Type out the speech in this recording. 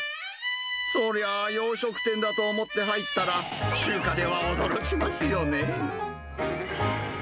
そりゃ、洋食店だと思って入ったら、中華では驚きますよね。